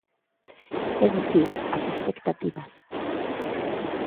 É dicir, as expectativas.